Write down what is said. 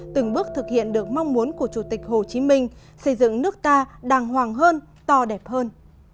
từng bước thực hiện được mong muốn của chủ tịch hồ chí minh xây dựng nước ta đàng hoàng hơn to đẹp hơn